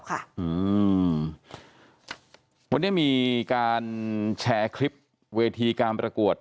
ภายในหรือเปล่าค่ะอืมวันนี้มีการแชร์คลิปเวทีการประกวด